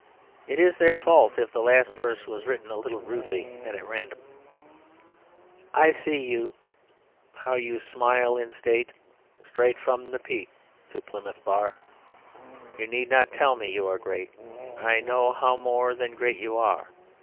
It is their fault if the last verse was written a little rudely and at random "I see you how you smile in state Straight from the Peak to Plymouth Bar, You need not tell me you are great, I know how more than great you are.